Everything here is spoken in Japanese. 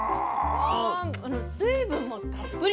水分もたっぷり。